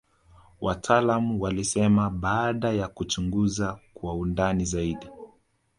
wataalamu walisema baada ya kuchunguza kwa undani zaidi